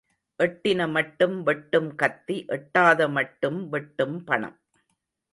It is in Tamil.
எட்டின மட்டும் வெட்டும் கத்தி எட்டாத மட்டும் வெட்டும் பணம்.